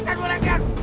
terima kasih pak